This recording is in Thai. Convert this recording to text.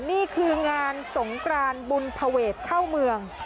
นี่คืองานสงกรานบุญภเวทเข้าเมือง